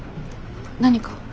何か？